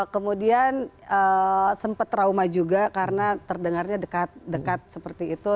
kemudian sempat trauma juga karena terdengarnya dekat seperti itu